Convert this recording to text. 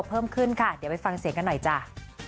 เพิ่มขึ้นค่ะเดี๋ยวไปฟังเสียงกันหน่อยจ้ะ